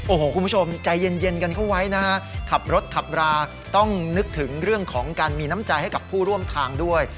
โอ้โหคุณผู้ชมใจเย็นกันเข้าไว้นะฮะขับรถขับราต้องนึกถึงเรื่องของการมีน้ำใจให้กับผู้ร่วมทางด้วย